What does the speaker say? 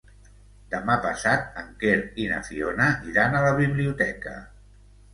Demà passat en Quer i na Fiona iran a la biblioteca.